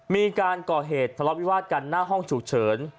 มีการก่อเหตุทะเลาะวิวาสกันหน้าห้องฉุกเฉิน